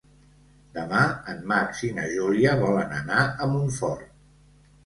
Demà en Max i na Júlia volen anar a Montfort.